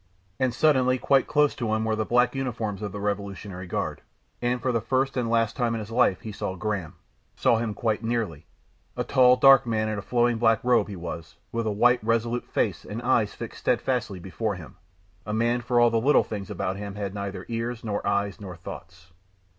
And suddenly quite close to him were the black uniforms of the revolutionary guard, and for the first and last time in his life he saw Graham, saw him quite nearly. A tall, dark man in a flowing black robe he was, with a white, resolute face and eyes fixed steadfastly before him; a man who for all the little things about him had neither ears nor eyes nor thoughts....